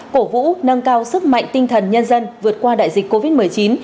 cổ vũ nâng cao sức mạnh tinh thần nhân dân vượt qua đại dịch covid một mươi chín